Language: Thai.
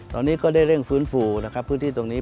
ตอนนี้ก็ได้เร่งฟื้นฟูนะครับพื้นที่ตรงนี้